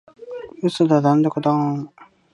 嘘だドンドコドーン！